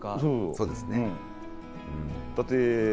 そうですね。